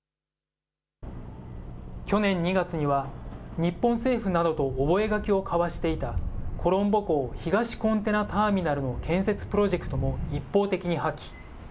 去年２月には、日本政府などと覚書を交わしていたコロンボ港東コンテナターミナルの建設プロジェクトも一方的に破棄。